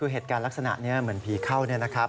เหตุการณ์ลักษณะเหมือนผีเข้านะครับ